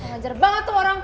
lo ngehajar banget tuh orang